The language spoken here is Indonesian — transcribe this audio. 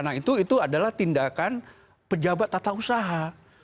nah itu adalah tindakan pejabat tata usaha